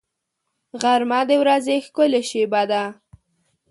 غرمه د ورځې ښکلې شېبه ده